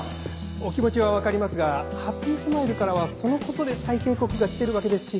お気持ちは分かりますがハッピースマイルからはそのことで再警告が来てるわけですし。